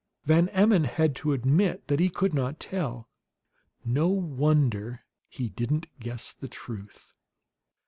Van Emmon had to admit that he could not tell; no wonder he didn't guess the truth.